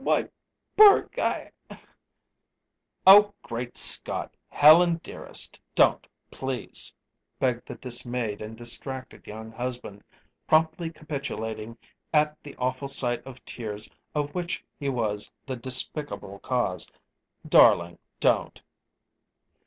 "Why, Burke, I " "Oh, great Scott! Helen, dearest, don't, please!" begged the dismayed and distracted young husband, promptly capitulating at the awful sight of tears of which he was the despicable cause. "Darling, don't!"